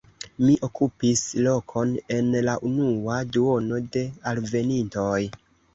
Mi okupis lokon en la unua duono de alvenintoj.